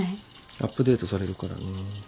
アップデートされるからね。